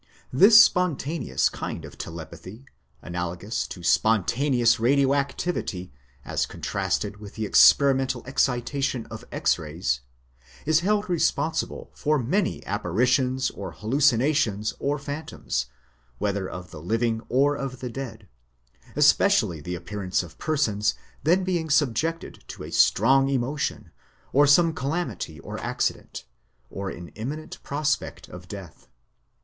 This spontaneous kind of te lepathy analogous to spontaneous radioactivity as contrasted with the experimental excitation of X rays is held responsible for many apparitions or hallucinations or phantoms, whether of the living or of the dead, especially the appearance of persons then being subjected to a strong emotion, or some calamity or accident, or in imminent prospect of death.